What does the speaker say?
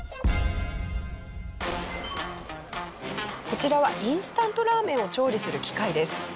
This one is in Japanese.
こちらはインスタントラーメンを調理する機械です。